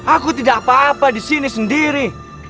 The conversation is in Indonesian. aku tidak apa apa disini sendiri